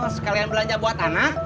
sekalian belanja buat anak